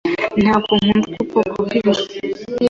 Ntabwo nkunda ubu bwoko bw'inzu.